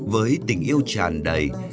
với tình yêu tràn đầy